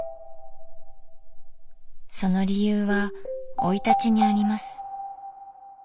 その理由は生い立ちにあります。